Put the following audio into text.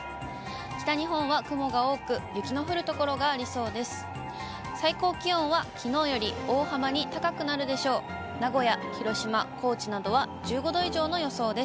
北日本は雲が多く、雪の降る所がありそうです。